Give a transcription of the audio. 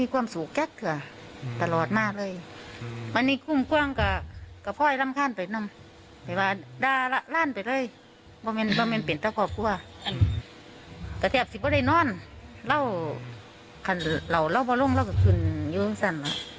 กระเทียบสิบว่าได้นอนเราเราเราบ่ลงเราก็ขึ้นอยู่ยุ่งสั่นละ